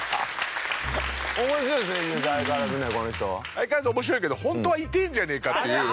相変わらず面白いけどホントは痛えんじゃねえかっていう。